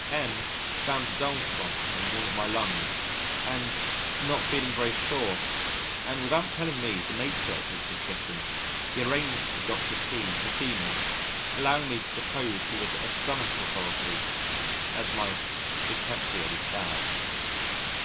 M found a dull spot on one of my lungs, and, not feeling very sure, and without telling me the nature of his suspicion, he arranged for Dr. P to see me, allowing me to suppose he was a stomach authority as my dyspepsia is bad.